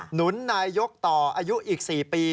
หนุนนายยกต่ออายุอีก๔ปี